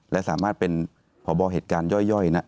และสามารถเป็นพบเหตุการณ์ย่อยนะ